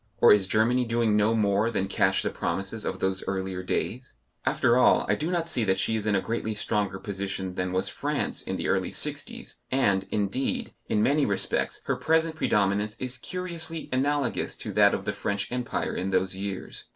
Or is Germany doing no more than cash the promises of those earlier days? After all, I do not see that she is in a greatly stronger position than was France in the early sixties, and, indeed, in many respects her present predominance is curiously analogous to that of the French Empire in those years.